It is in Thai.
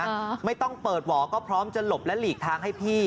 อ่าไม่ต้องเปิดหวอก็พร้อมจะหลบและหลีกทางให้พี่